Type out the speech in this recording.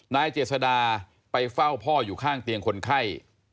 นายเจษดาไปเฝ้าพ่ออยู่ข้างเตียงคนไข้